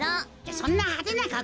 そんなはでなかっ